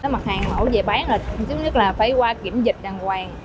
mặt hàng mẫu về bán là phải qua kiểm dịch đàng hoàng